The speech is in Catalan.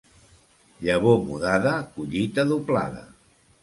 Llavor mudada, collita doblada.